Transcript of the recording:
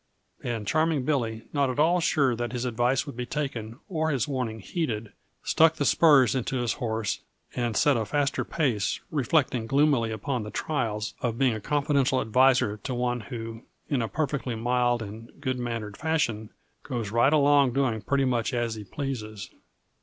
And Charming Billy, not at ail sure that his advice would be taken or his warning heeded, stuck the spurs into his horse and set a faster pace reflecting gloomily upon the trials of being confidential adviser to one who, in a perfectly mild and good mannered fashion, goes right along doing pretty much as he pleases.